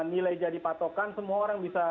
nilai jadi patokan semua orang bisa